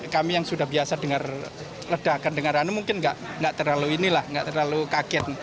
kami yang sudah biasa dengar ledakan dengarannya mungkin nggak terlalu ini lah nggak terlalu kaget